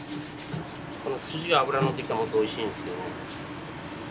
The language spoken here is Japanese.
この筋が脂乗ってきたものっておいしいんですよね。